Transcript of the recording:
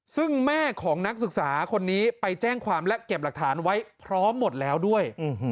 ซึ่งแม่ของนักศึกษาคนนี้ไปแจ้งความและเก็บหลักฐานไว้พร้อมหมดแล้วด้วย